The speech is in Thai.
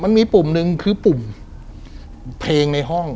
มันมีปุ่มนึงคือปุ่มเพลงในห้อง